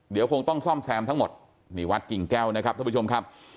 เดี๋ยวคงต้องซ่อมแซมทั้งหมดนี่วัดกิ่งแก้วนะครับท่านผู้ชมครับ